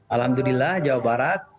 alhamdulillah jawa barat